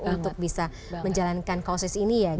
untuk bisa menjalankan kasus ini ya